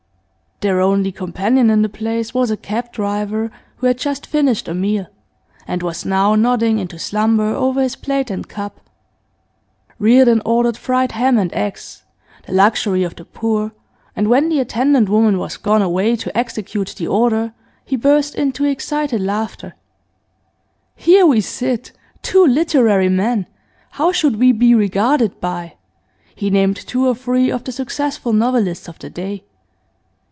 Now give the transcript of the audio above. Their only companion in the place was a cab driver, who had just finished a meal, and was now nodding into slumber over his plate and cup. Reardon ordered fried ham and eggs, the luxury of the poor, and when the attendant woman was gone away to execute the order, he burst into excited laughter. 'Here we sit, two literary men! How should we be regarded by ' He named two or three of the successful novelists of the day.